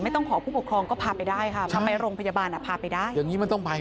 ไม่ต้องขอผู้ปกครองก็พาไปได้ค่ะทำไมโรงพยาบาลพาไปได้